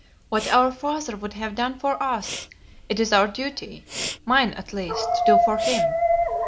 What our father would have done for us it is our duty, mine, at least, to do for him.